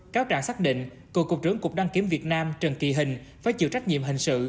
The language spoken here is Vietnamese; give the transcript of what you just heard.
cáo trạng xác định cục đăng kiểm việt nam trần kỳ hình phải chịu trách nhiệm hình sự